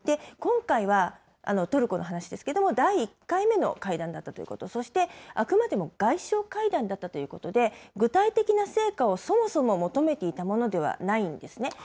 今回はトルコの話ですけれども、第１回目の会談だったということ、そしてあくまでも外相会談だったということで、具体的な成果をそもそも求めていたものではないんですね。